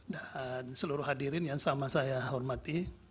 dan seluruh hadirin yang sama saya hormati